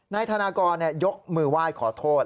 นายธนากรยกมือไหว้ขอโทษ